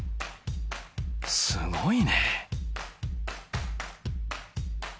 すごいね。